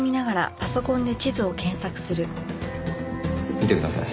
見てください。